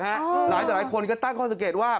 หลายคนก็ตั้งข้อสังเกตว่า